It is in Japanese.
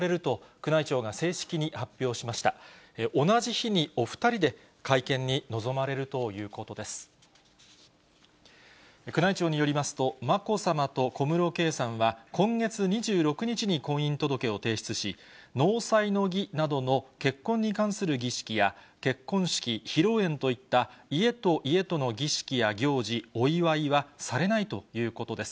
宮内庁によりますと、まこさまと小室圭さんは、今月２６日に婚姻届を提出し、納采の儀などの結婚に関する儀式や、結婚式、披露宴といった家と家との儀式や行事、お祝いはされないということです。